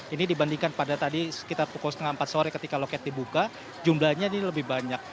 ini dibandingkan pada tadi sekitar pukul setengah empat sore ketika loket dibuka jumlahnya ini lebih banyak